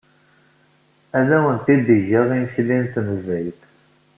Ad awent-d-geɣ imekli n tnezzayt.